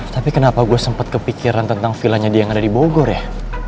tapi kenapa gue sempat kepikiran tentang villanya dia yang ada di bogor ya